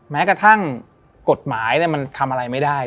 แม้กระทั่งกฎหมายมันทำอะไรไม่ได้